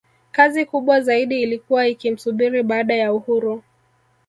Kazi kubwa zaidi ilikuwa ikimsubiri baada ya uhuru